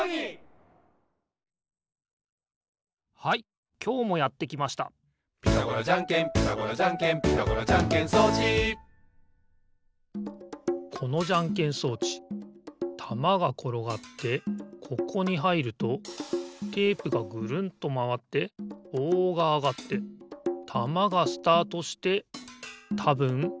はいきょうもやってきました「ピタゴラじゃんけんピタゴラじゃんけん」「ピタゴラじゃんけん装置」このじゃんけん装置たまがころがってここにはいるとテープがぐるんとまわってぼうがあがってたまがスタートしてたぶんグーがでる。